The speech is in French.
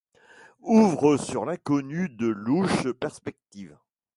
Ouvrent sur l’inconnu de louches perspectives !